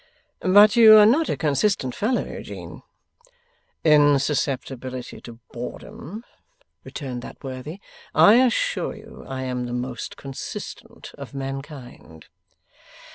'But you are not a consistent fellow, Eugene.' 'In susceptibility to boredom,' returned that worthy, 'I assure you I am the most consistent of mankind.